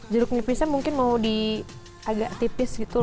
jiruk nipis nya mungkin mau di agak tipis gitu lho